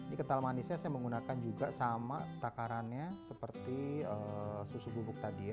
ini kental manisnya saya menggunakan juga sama takarannya seperti susu bubuk tadi ya